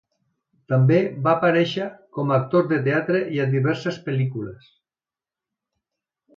També va aparèixer com a actor de teatre i a diverses pel·lícules.